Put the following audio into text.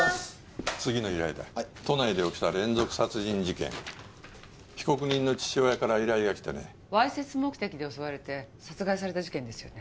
次の依頼だ都内で起きた連続殺人事件被告人の父親から依頼が来てねわいせつ目的で襲われて殺害された事件ですよね